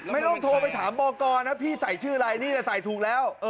ไม่ต้องโทรไปถามบอกกรนะพี่ใส่ชื่ออะไรนี่แหละใส่ถูกแล้ว